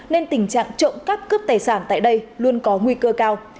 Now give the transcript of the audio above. nên tình trạng trộm cắp cướp tài sản tại đây luôn có nguy cơ cao